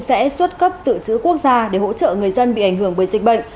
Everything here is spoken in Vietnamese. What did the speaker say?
sẽ xuất cấp sự trữ quốc gia để hỗ trợ người dân bị ảnh hưởng bởi dịch bệnh